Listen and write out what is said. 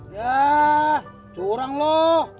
yah curang loh